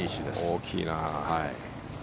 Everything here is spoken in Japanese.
大きいな。